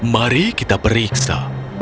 mari kita periksa